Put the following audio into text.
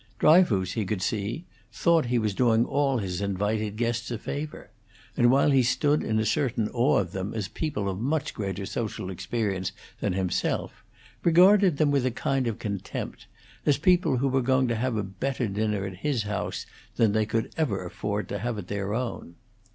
Dryfoos, he could see, thought he was doing all his invited guests a favor; and while he stood in a certain awe of them as people of much greater social experience than himself, regarded them with a kind of contempt, as people who were going to have a better dinner at his house than they could ever afford to have at their own.